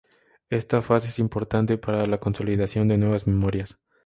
Esta fase es importante para la consolidación de nuevas memorias.